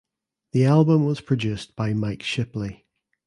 The album was produced by Mike Shipley.